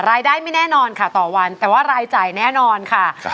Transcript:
ไม่แน่นอนค่ะต่อวันแต่ว่ารายจ่ายแน่นอนค่ะ